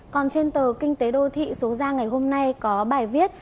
còn trên tờ kinh tế đô thị số ra ngày hôm nay có bài viết